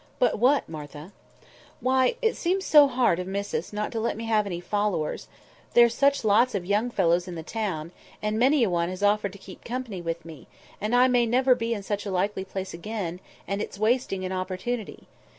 "But what, Martha?" "Why, it seems so hard of missus not to let me have any followers; there's such lots of young fellows in the town; and many a one has as much as offered to keep company with me; and I may never be in such a likely place again, and it's like wasting an opportunity.